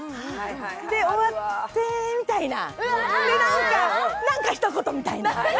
で、終わってみたいな、何かひと言みたいな。